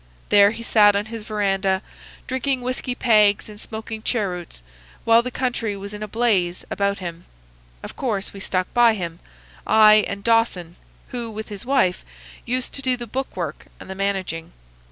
There he sat on his veranda, drinking whiskey pegs and smoking cheroots, while the country was in a blaze about him. Of course we stuck by him, I and Dawson, who, with his wife, used to do the book work and the managing.